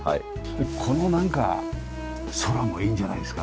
このなんか空もいいんじゃないですか？